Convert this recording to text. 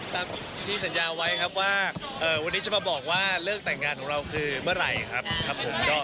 ตามที่สัญญาไว้ครับว่าวันนี้จะมาบอกว่าเลิกแต่งงานของเราคือเมื่อไหร่ครับครับผม